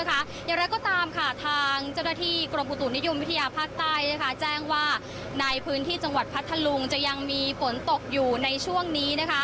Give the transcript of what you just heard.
อย่างไรก็ตามค่ะทางเจ้าหน้าที่กรมอุตุนิยมวิทยาภาคใต้แจ้งว่าในพื้นที่จังหวัดพัทธลุงจะยังมีฝนตกอยู่ในช่วงนี้